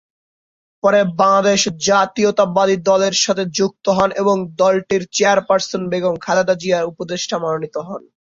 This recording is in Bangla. পরে বাংলাদেশ জাতীয়তাবাদী দলের সাথে যুক্ত হন এবং দলটির চেয়ারপার্সন বেগম খালেদা জিয়ার উপদেষ্টা মনোনীত হন।